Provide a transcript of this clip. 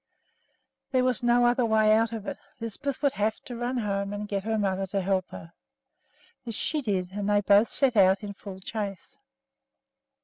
There was no other way out of it, Lisbeth would have to run home and get her mother to help her. This she did, and they both set out in full chase.